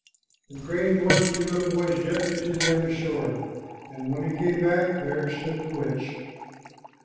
The crane bore the two little boys gently to the other shore, and when he came back, there stood the witch.